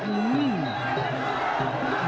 อ้าวเดี๋ยวดูยก๓นะครับ